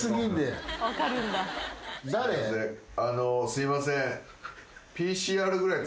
すいません。